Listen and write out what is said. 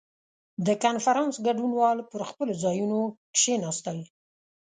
• د کنفرانس ګډونوال پر خپلو ځایونو کښېناستل.